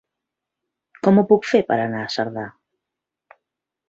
Com ho puc fer per anar a Cerdà?